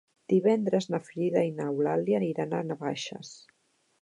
Divendres na Frida i n'Eulàlia iran a Navaixes.